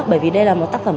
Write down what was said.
bởi vì đây là một tác phẩm